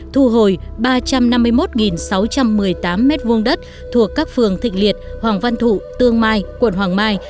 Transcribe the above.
thu hồi ba trăm năm mươi một sáu trăm một mươi tám m hai đất thuộc các phường thịnh liệt hoàng văn thụ tương mai quận hoàng mai